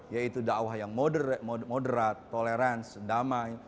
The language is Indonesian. yaitu dakwah yang moderat tolerans damai